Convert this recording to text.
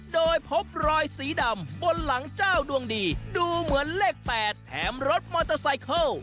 โดยพบรอยสีดำบนหลังเจ้าดวงดีดูเหมือนเลข๘แถมรถมอเตอร์ไซเคิล